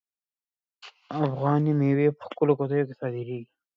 افغاني میوې په ښکلو قطیو کې صادریږي.